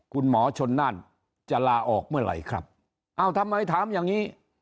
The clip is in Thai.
คุณหมอชนนั่นจะลาออกเมื่อไหร่ครับเอ้าทำไมถามอย่างนี้